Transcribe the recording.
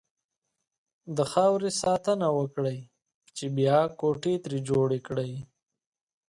د خاورې ساتنه وکړئ! چې بيا کوټې ترې جوړې کړئ.